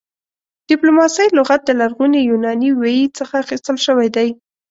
ډيپلوماسۍ لغت د لرغوني يوناني ویي څخه اخيستل شوی دی